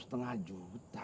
satu setengah juta